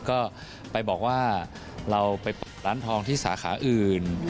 ก็ไปบอกว่าเราไปเปิดร้านทองที่สาขาอื่น